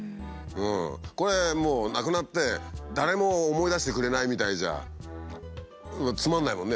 これもう亡くなって「誰も思い出してくれない」みたいじゃつまんないもんねやっぱね。